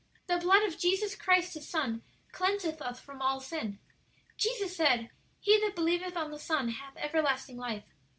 'The blood of Jesus Christ, His Son, cleanseth us from all sin.' "Jesus said, 'He that believeth on the Son hath everlasting life.'